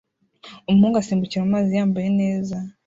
Umuhungu asimbukira mu mazi yambaye neza